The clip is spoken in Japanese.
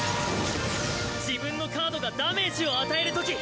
自分のカードがダメージを与えるとき